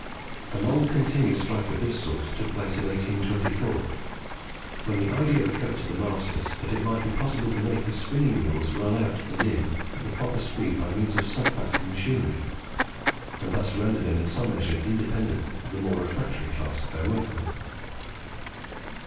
A long continued strike of this sort took place in 1824, when the idea occurred to the masters that it might be possible to make the spinning mules run out and in at the proper speed by means of self acting machinery, and thus render them in some measure independent of the more refractory class of their workmen.